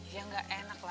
ya enggak enak